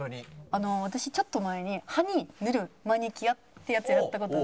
あの私ちょっと前に歯に塗るマニキュアってやつやった事あるんです。